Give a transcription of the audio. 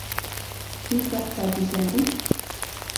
Pitaq takishanri?